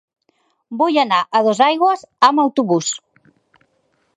Vull anar a Dosaigües amb autobús.